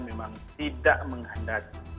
memang tidak mengandati